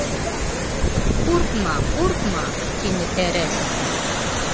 — Ҡурҡма, ҡурҡма, — тине тәрәс, —